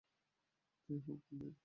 যাই হওক, দেই তো।